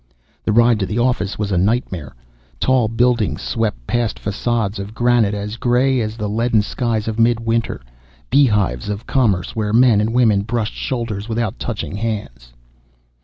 The ride to the office was a nightmare ... Tall buildings swept past, facades of granite as gray as the leaden skies of mid winter, beehives of commerce where men and women brushed shoulders without touching hands.